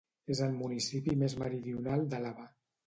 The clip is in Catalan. És el municipi més meridional d'Àlaba.